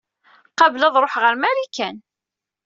Qabel ad ruḥeɣ ɣer Marikan.